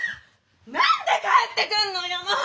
何で帰ってくんのよもう！